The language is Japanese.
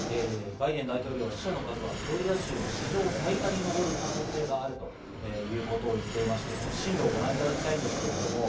バイデン大統領は死者の数はフロリダ州の史上最多にのぼる可能性があるということを言っていまして、その進路をご覧いただきたいんですけれども。